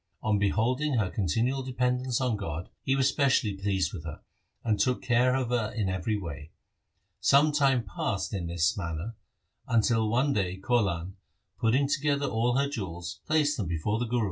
On beholding her continual dependence on God, he was specially pleased with her, and took care of her in every way. Some time passed in this manner, until one day Kaulan, putting together all her jewels, placed them before the Guru.